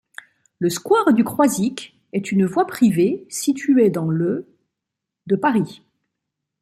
Le square du Croisic est une voie privée située dans le de Paris.